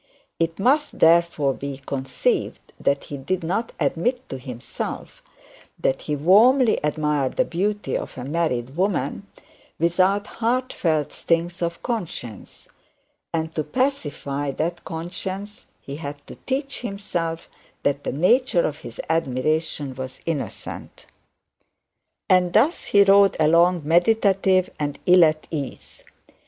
It must therefore be conceived that he did not admit to himself that he warmly admired the beauty of a married woman without heartfelt stings of conscience; and to pacify that conscience, he had to teach himself that the nature of his admiration was innocent. And thus he rode along meditative and ill at ease.